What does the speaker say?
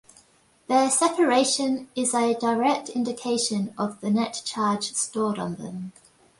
Their separation is a direct indication of the net charge stored on them.